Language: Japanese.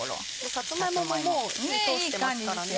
さつま芋ももう火通してますからね。